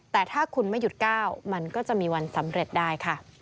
แต่ถ้าคุณไม่หยุดก้าวมันก็จะมีวันสำเร็จได้ค่ะ